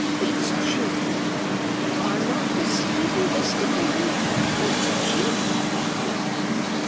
"It's gin. I'll not deceive you, Mr. B. It's gin."